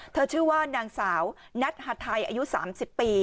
ชื่อว่านางสาวนัทฮาไทยอายุ๓๐ปี